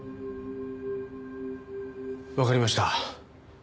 わかりました。